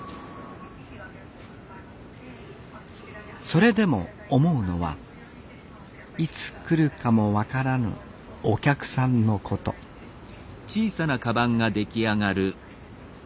それでも思うのはいつ来るかも分からぬお客さんのことこれはね